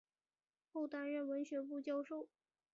后担任文学部教授。